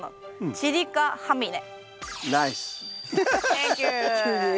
チリカハミネ。